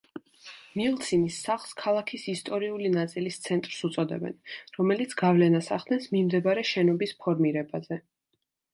მილცინის სახლს ქალაქის ისტორიული ნაწილის ცენტრს უწოდებენ, რომელიც გავლენას ახდენს მიმდებარე შენობის ფორმირებაზე.